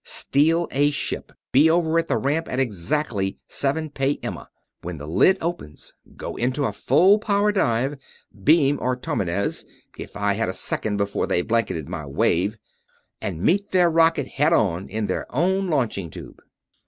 "Steal a ship. Be over the ramp at exactly Seven Pay Emma. When the lid opens, go into a full power dive, beam Artomenes if I had a second before they blanketed my wave and meet their rocket head on in their own launching tube."